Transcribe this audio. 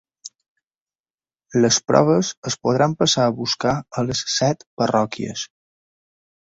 Les proves es podran passar a buscar a les set parròquies.